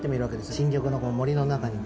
新緑の森の中にね